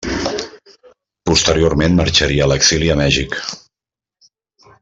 Posteriorment marxaria a l'exili a Mèxic.